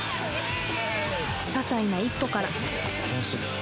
ささいな一歩から